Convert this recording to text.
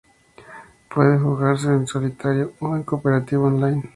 Puede jugarse en solitario o en cooperativo online.